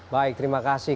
baik terima kasih